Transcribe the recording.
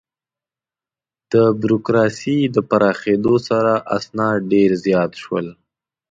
د بروکراسي د پراخېدو سره، اسناد ډېر زیات شول.